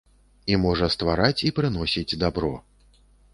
І можа ствараць і прыносіць дабро.